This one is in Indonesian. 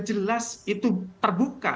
jelas itu terbuka